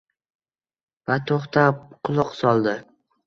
va toʼxtab quloq soldi.